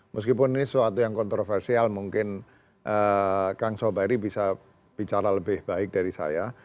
meskipun ini suatu yang kontroversial mungkin kang sobari bisa bicara lebih baik dari saya